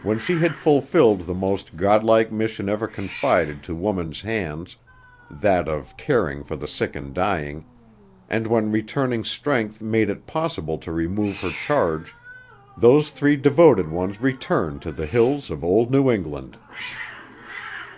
When she had fulfilled the most God like mission ever confided to woman's hands that of caring for the sick and dying and when returning strength made it possible to remove her charge, those three devoted ones returned to the hills of old New England.